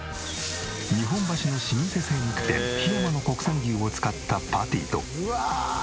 日本橋の老舗精肉店日山の国産牛を使ったパティと。